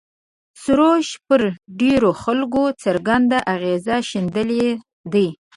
سروش پر ډېرو خلکو څرګند اغېز ښندلی دی.